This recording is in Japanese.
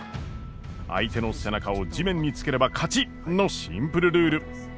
相手の背中を地面につければ勝ちのシンプルルール。